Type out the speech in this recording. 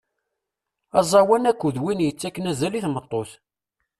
Aẓawan akked win yettakken azal i tmeṭṭut.